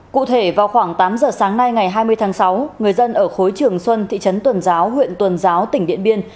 cụ thể vào khoảng tám giờ sáng nay ngày hai mươi tháng sáu người dân ở khối trường xuân thị trấn tuần giáo huyện tuần giáo tỉnh điện biên